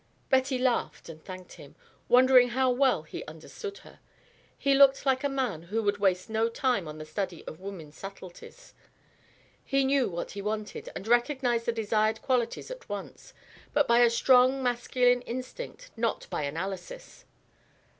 Betty laughed and thanked him, wondering how well he understood her. He looked like a man who would waste no time on the study of woman's subtleties: he knew what he wanted, and recognized the desired qualities at once, but by a strong masculine instinct, not by analysis.